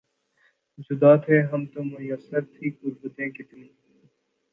جدا تھے ہم تو میسر تھیں قربتیں کتنی